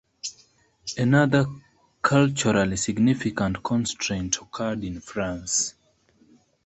Another culturally significant constraint occurred in France.